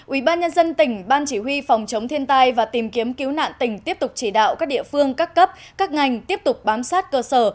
ubnd tỉnh ban chỉ huy phòng chống thiên tai và tìm kiếm cứu nạn tỉnh tiếp tục chỉ đạo các địa phương các cấp các ngành tiếp tục bám sát cơ sở